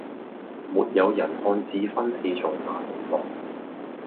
沒有人看智勳是從那裏來